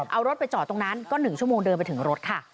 เอารถไปจอดตรงนั้นก็๑ชั่วโมงเดินไปถึงรถค่ะ